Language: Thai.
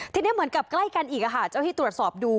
ทีนี้เหมือนกับใกล้กันอีกเจ้าที่ตรวจสอบดู